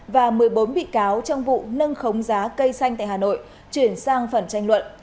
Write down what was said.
và một mươi bốn bị cáo trong vụ nâng khống giá cây xanh tại hà nội chuyển sang phần tranh luận